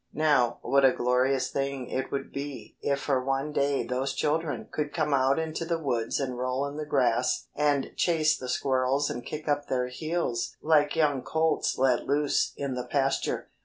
Now, what a glorious thing it would be if for one day those children could come out into the woods and roll in the grass and chase the squirrels and kick up their heels like young colts let loose in the pasture.